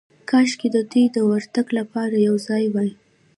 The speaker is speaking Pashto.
کاشکې د دوی د ورتګ لپاره یو ځای وای.